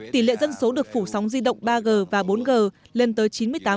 tỷ lệ dân số được phủ sóng di động ba g và bốn g lên tới chín mươi tám